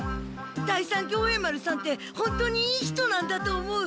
第三協栄丸さんってほんとにいい人なんだと思う。